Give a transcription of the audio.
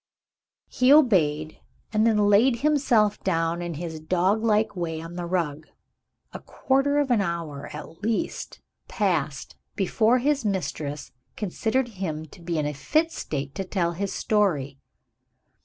He obeyed, and then laid himself down in his dog like way on the rug. A quarter of an hour, at least, passed before his mistress considered him to be in a fit state to tell his story.